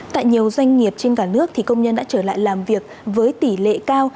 tại nhiều doanh nghiệp trên cả nước công nhân đã trở lại làm việc với tỷ lệ cao